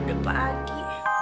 sampai jumpa lagi